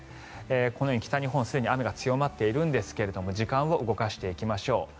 このように北日本すでに雨が強まっているんですが時間を動かしていきましょう。